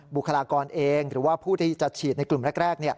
บุคลากรเองหรือว่าผู้ที่จะฉีดในกลุ่มแรก